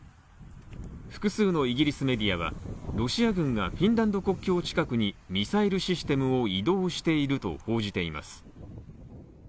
複数のイギリスメディアは、ロシア軍がフィンランド国境近くにミサイルシステムを移動していると報じています。